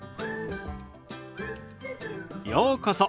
ようこそ。